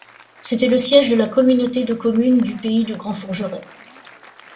C'était le siège de la communauté de communes du Pays de Grand-Fougeray.